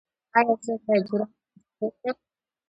ایا زه باید جرابې په پښو کړم؟